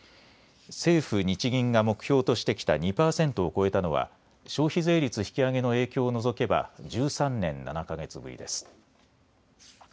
政府日銀が目標としてきた２％を超えたのは消費税率引き上げの影響を除けば１３年７か月ぶりです。